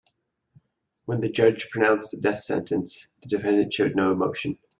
When the judge pronounced the death sentence, the defendant showed no emotion.